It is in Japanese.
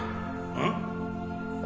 うん？